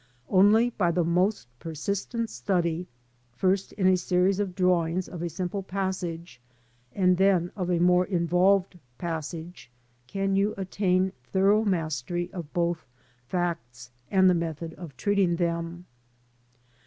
Only by the most persistent study, first in a series of drawings of a simple passage, and then of a more involved passage, can you attain thorough mastery of both facts and the method of treating them.